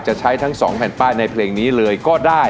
ใช้ทั้ง๒แผ่นป้ายในเพลงนี้เลยก็ได้